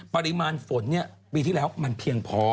ปริมาณฝนปีที่แล้วมันเพียงพอ